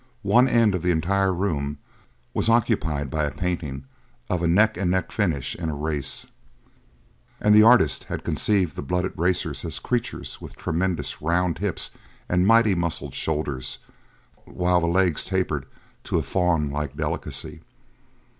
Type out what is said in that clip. One entire end of the room was occupied by a painting of a neck and neck finish in a race, and the artist had conceived the blooded racers as creatures with tremendous round hips and mighty muscled shoulders, while the legs tapered to a faun like delicacy.